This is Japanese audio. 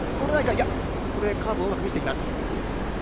カーブをうまく出してきます。